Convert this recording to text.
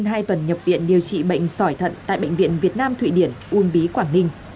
trong hai tuần nhập viện điều trị bệnh sỏi thận tại bệnh viện việt nam thụy điển uông bí quảng ninh